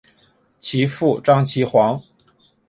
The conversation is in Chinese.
其父张其锽。